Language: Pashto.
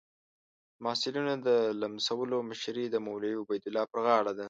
د محصلینو د لمسولو مشري د مولوي عبیدالله پر غاړه ده.